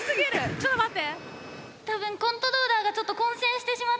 ちょっと待って。